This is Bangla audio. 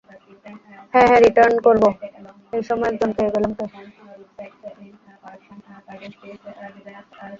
হ্যাঁঁ রিটার্ন করবো এইসময় একজন পেয়ে গেলাম কে?